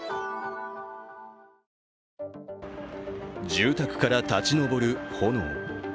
住宅から立ち上る炎。